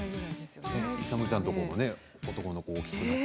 勇ちゃんのところの男の子も大きくなって。